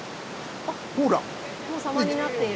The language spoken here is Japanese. もう様になっている。